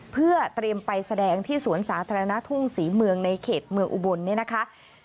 เพื่อเตรียมไปแสดงที่สวนสาธารณะทุ่งศรีเมืองในเขตเมืองอุบลเนี่ยนะคะ